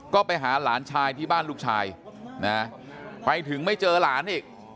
ก็ไปหาหลานชายที่บ้านลูกชายนะไปถึงไม่เจอหลานอีก